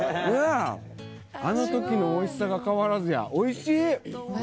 あの時のおいしさが変わらずやおいしい！